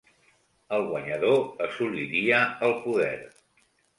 El guanyador assoliria el poder.